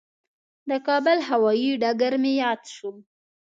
د کابل هوایي ډګر مې یاد شو.